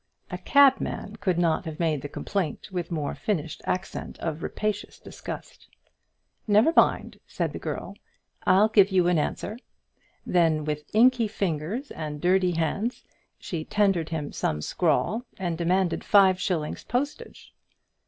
A cabman could not have made the complaint with a more finished accent of rapacious disgust. "Never mind," said the girl, "I'll give you an answer." Then, with inky fingers and dirty hands, she tendered him some scrawl, and demanded five shillings postage.